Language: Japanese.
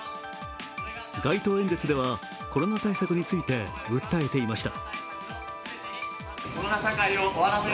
街頭演説では、コロナ対策について訴えていました。